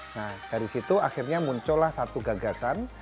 nah dari situ akhirnya muncullah satu gagasan